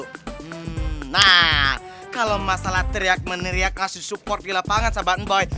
hmmm nah kalo masalah teriak meneriak ngasih support di lapangan sahabat emboi